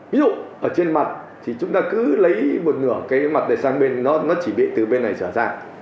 ví dụ ở trên mặt thì chúng ta cứ lấy một nửa cái mặt này sang bên nó chỉ bị từ bên này trở ra